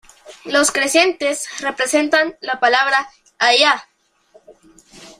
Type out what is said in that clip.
Los crecientes representan la palabra Allah.